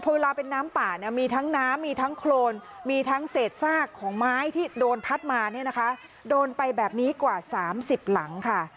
ว่านี้นะคะโดนไปแบบนี้กว่า๓๐หลังค่ะ